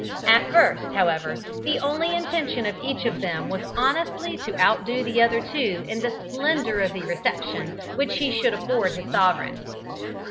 At first, however, the only intention of each of them was honestly to outdo the other two in the splendour of the reception which he should afford his sovereign.